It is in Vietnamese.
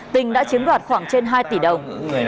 tình đã chiếm đoạt khoảng trên hai tỷ đồng